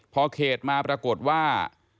พอเขตมาปรากฏว่า